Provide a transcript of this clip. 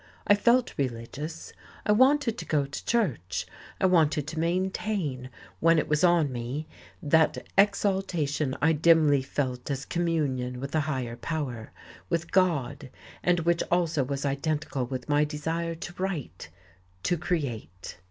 I felt religious. I wanted to go to church, I wanted to maintain, when it was on me, that exaltation I dimly felt as communion with a higher power, with God, and which also was identical with my desire to write, to create....